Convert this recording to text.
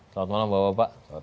selamat malam bapak bapak